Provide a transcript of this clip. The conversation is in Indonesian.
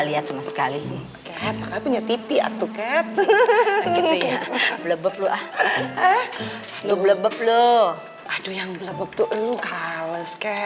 lihat sama sekali punya tipi atau kek gitu ya blablu blablu aduh yang blablu